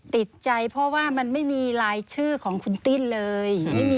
ติดใจเพราะว่ามันไม่มีลายชื่อของคุณติ้นเลย